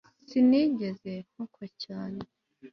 Sinigeze ntukwa cyane